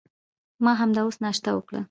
ما همدا اوس ناشته وکړه.